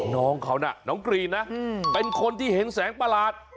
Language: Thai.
น้องเขาน่ะน้องกรีนนะเป็นคนที่เห็นแสงประหลาด